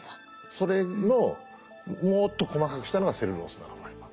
それのもっと細かくしたのがセルロースナノファイバー。